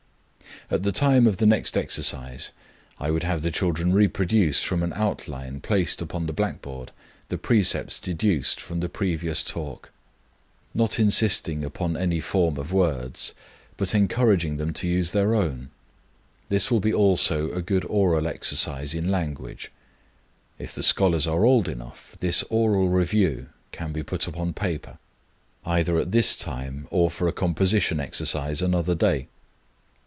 '" At the time of the next exercise, I would have the children reproduce from an outline placed upon the blackboard the precepts deduced from the previous talk, not insisting upon any form of words, but encouraging them to use their own. This will be also a good oral exercise in language. If the scholars are old enough, this oral review can be put upon paper, either at this time or for a composition exercise another day.